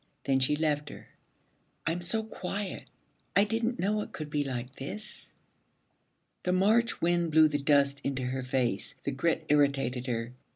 Then she left her. 'I'm so quiet. I didn't know it could be like this.' The March wind blew the dust into her face. The grit irritated her.